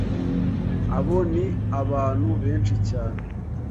Abo ni abantu benshi cyane,